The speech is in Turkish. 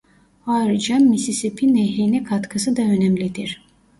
Ayrıca Mississippi Nehri'ne katkısı da önemlidir.